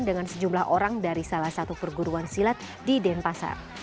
dengan sejumlah orang dari salah satu perguruan silat di denpasar